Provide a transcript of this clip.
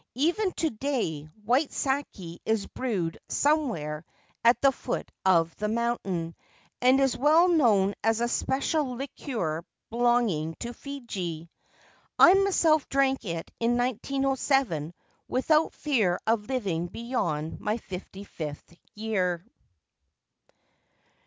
Even to day white sake is brewed somewhere at the foot of the mountain, and is well known as a special liquor belonging to Fuji. I myself drank it in 1907 without fear of living beyond my fifty fifth year.